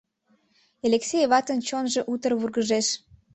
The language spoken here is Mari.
Элексей ватын чонжо утыр вургыжеш.